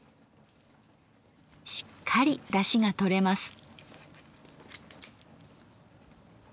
しっかりダシがとれます。